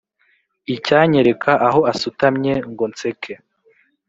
Icyanyereka aho asutamye ngo nseke